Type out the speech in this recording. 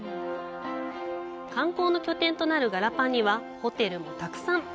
観光の拠点となるガラパンにはホテルもたくさん。